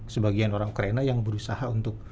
sebagian orang ukraina yang berusaha untuk